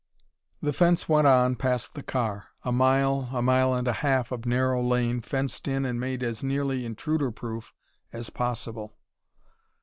The fence went on past the car. A mile, a mile and a half of narrow lane, fenced in and made as nearly intruder proof as possible.